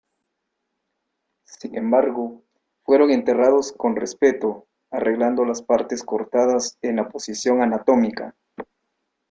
Sin embargo, fueron enterrados con respeto, arreglando las partes cortadas en la posición anatómica.